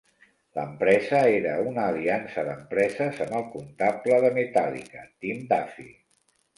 L'empresa era una aliança d'empreses amb el comptable de "Metallica", Tim Duffy.